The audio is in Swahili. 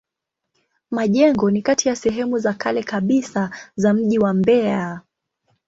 Majengo ni kati ya sehemu za kale kabisa za mji wa Mbeya.